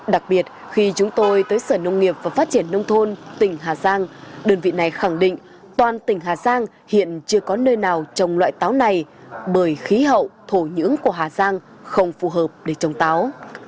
đặc biệt khi chúng tôi tới sở nông nghiệp và phát triển nông thôn tỉnh hà giang đơn vị này khẳng định toàn tỉnh hà giang hiện chưa có nơi nào trồng loại táo này bởi khí hậu thổ nhưỡng của hà giang không phù hợp để trồng táo